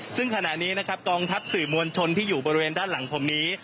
ซึ่งขณะนี้นะครับกองทัพสื่อมวลชนที่อยู่บริเวณด้านหลังผมนี้